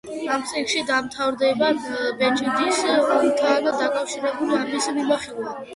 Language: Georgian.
ამ წიგნში მთავრდება ბეჭდის ომთან დაკავშირებული ამბების მიმოხილვა.